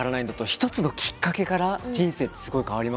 一つのきっかけから人生ってすごい変わりますよね。